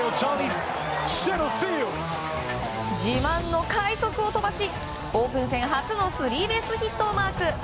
自慢の快足を飛ばしオープン戦初のスリーベースヒットをマーク。